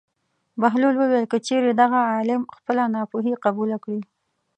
بهلول وویل: که چېرې دغه عالم خپله ناپوهي قبوله کړي.